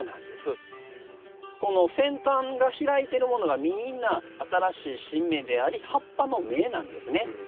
この先端が開いてるものがみんな新しい新芽であり葉っぱの芽なんですね。